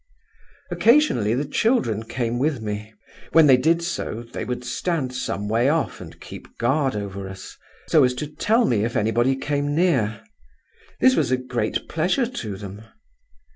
Occasionally the children came with me; when they did so, they would stand some way off and keep guard over us, so as to tell me if anybody came near. This was a great pleasure to them.